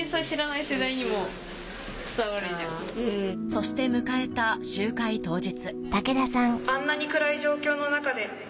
そして迎えた集会当日。